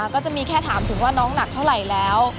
ก็จะมีแค่ถามถึงว่าน้องหนักเท่าไหร่แล้ว